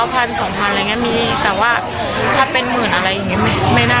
ห่วงเรื่องทั้งสึกศาสตร์ความรู้สึกหลาน